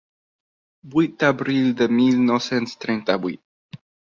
Vuit d'abril de mil nou-cents trenta-vuit.